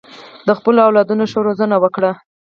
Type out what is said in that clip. د خپلو اولادونو ښه روزنه وکړه.